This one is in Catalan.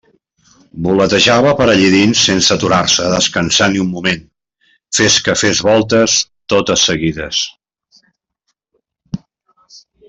Voletejava per allí dins sense aturar-se a descansar ni un moment, fes que fes voltes totes seguides.